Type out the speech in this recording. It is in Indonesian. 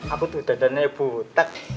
aku tuh dandannya butek